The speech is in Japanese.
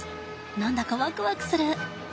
何だかワクワクする。